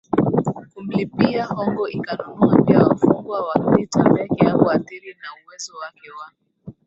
kumlipia hongo ikanunua pia wafungwa wa vita vyake Hapo athiri na uwezo wake wa